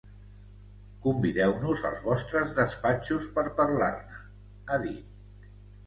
Convideu-nos als vostres despatxos per parlar-ne, ha dit.